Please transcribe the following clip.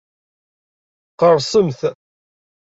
Qerrsemt!